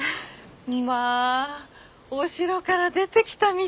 まあお城から出てきたみたいだわ。